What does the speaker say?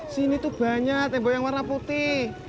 sini tuh banyak tembok yang warna putih